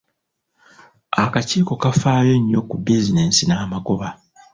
Akakiiko kafaayo nnyo ku bizinensi n'amagoba.